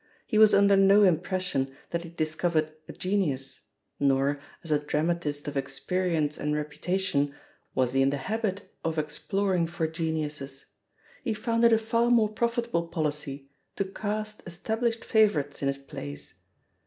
He was under no impression that he had discovered a genius, nor, as a dramatist of experience and reputation, was he in the habit of exploring for geniuses — ^he found it a far more profitable policy to cast established favourites in his plays.